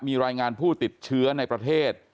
มีรายงานผู้ติดเชื้อในประเทศ